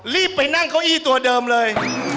รีบไปนั่งเก้าอี้ตัวเดิมเลย